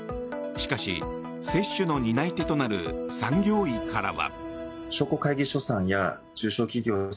しかし、接種の担い手となる産業医からは。